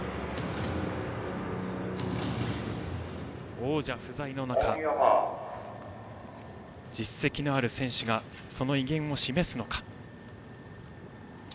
王者不在の中実績のある選手がその威厳を示すのか。